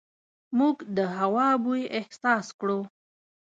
موږ د هوا بوی احساس کړو.